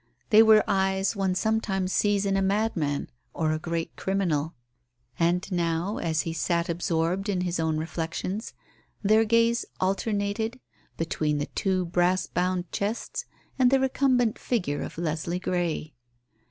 They were eyes one sometimes sees in a madman or a great criminal. And now, as he sat absorbed in his own reflections, their gaze alternated between the two brass bound chests and the recumbent figure of Leslie Grey.